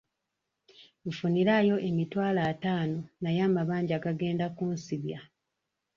Nfuniraayo emitwalo ataano naye amabanja gagenda kunsibya.